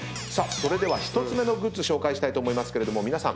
それでは１つ目のグッズ紹介したいと思いますけれども。